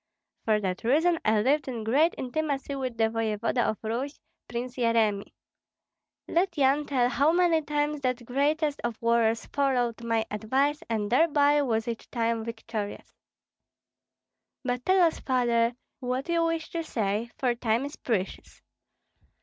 For that reason I lived in great intimacy with the voevoda of Rus, Prince Yeremi. Let Yan tell how many times that greatest of warriors followed my advice, and thereby was each time victorious." "But tell us, Father, what you wish to say, for time is precious."